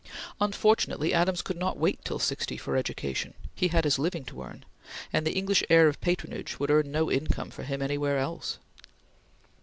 Unfortunately Adams could not wait till sixty for education; he had his living to earn; and the English air of patronage would earn no income for him anywhere else.